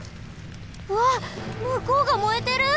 うわっむこうがもえてる！